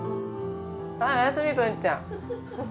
はいおやすみ文ちゃん。